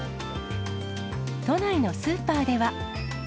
都内のスーパーでは。